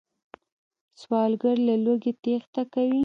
سوالګر له لوږې تېښته کوي